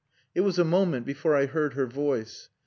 It was a moment before I heard her voice.